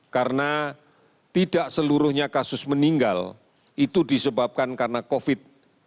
karena tidak seluruhnya kasus meninggal itu disebabkan karena covid sembilan belas